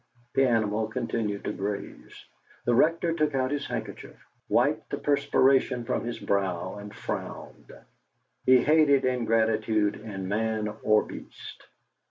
The animal continued to graze. The Rector took out his handkerchief, wiped the perspiration from his brow, and frowned. He hated ingratitude in man or beast.